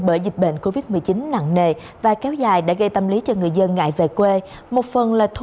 bởi dịch bệnh covid một mươi chín nặng nề và kéo dài đã gây tâm lý cho người dân ngại về quê một phần là